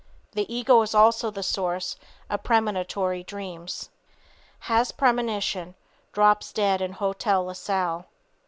The ego is also the source of premonitory dreams. HAS PREMONITION DROPS DEAD IN HOTEL LA SALLE.